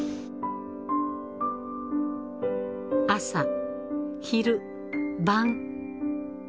朝昼晩。